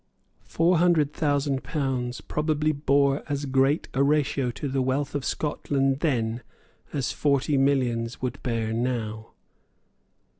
Four hundred thousand pounds probably bore as great a ratio to the wealth of Scotland then as forty millions would bear now.